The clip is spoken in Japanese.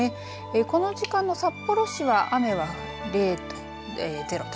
この時間の札幌市は雨はゼロと。